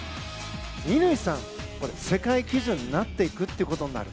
乾さんが世界基準になっていくことになる。